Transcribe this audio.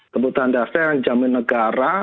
kebutuhan dasar yang dijamin negara